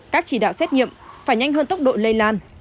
các chỉ đạo xét nghiệm phải nhanh hơn tốc độ lây lan